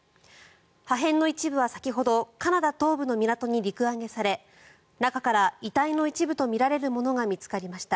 破片の一部は先ほどカナダ東部の港に陸揚げされ中から遺体の一部とみられるものが見つかりました。